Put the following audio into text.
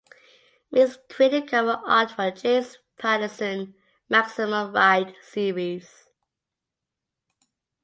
Meeks created cover art for James Patterson’s "Maximum Ride" series.